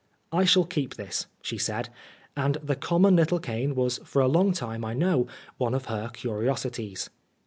" I shall keep this," she said ; and the common little cane was for a long time, I know, one of her curiosities.